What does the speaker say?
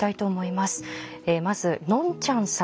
まずのんちゃんさん